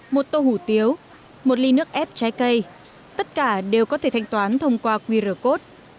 một tô hủ tiếu một ly nước ép trái cây tất cả đều có thể thanh toán thông qua qr code